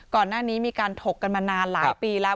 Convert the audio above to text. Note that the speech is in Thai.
ก่อนหน้านี้มีการถกกันมานานหลายปีแล้ว